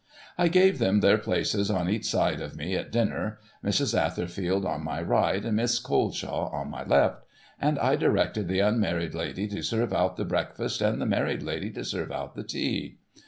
I gave them their places on each side of me at dinner, Mrs. Atherfield on my right and Miss Coleshaw on my left ; and I directed the unmarried lady to serve out the breakfast, and the married lady to serve out the tea.